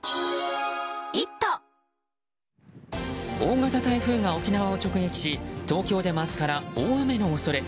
大型台風が沖縄を直撃し東京でも明日から大雨の恐れ。